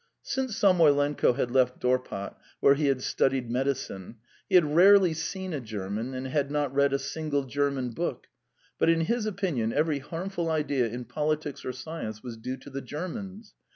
Since Samoylenko had left Dorpat, where he had studied medicine, he had rarely seen a German and had not read a single German book, but, in his opinion, every harmful idea in politics or science was due to the Germans.